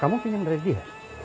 kamu pinjam dari dia